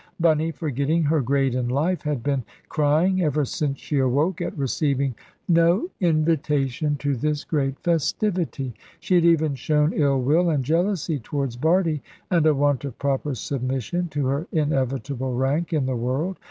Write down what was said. Bunny, forgetting her grade in life, had been crying, ever since she awoke, at receiving no invitation to this great festivity. She had even shown ill will and jealousy towards Bardie, and a want of proper submission to her inevitable rank in the world.